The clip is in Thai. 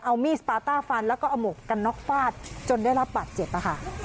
เอามีดสปาต้าฟันแล้วก็เอาหมวกกันน็อกฟาดจนได้รับบาดเจ็บค่ะ